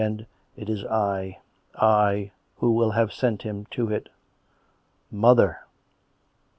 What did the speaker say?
. And it is I ... I ... who will have sent him to it. Mother